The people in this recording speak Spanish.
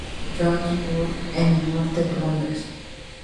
John's Wood, en el norte de Londres.